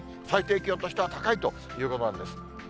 最低気温としては、高いということなんです。